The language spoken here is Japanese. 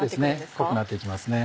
濃くなって行きますね